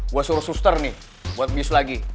gue suruh suster nih buat bis lagi